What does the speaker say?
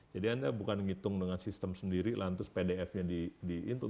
jadi anda bukan ngitung dengan sistem sendiri lantas pdf nya di input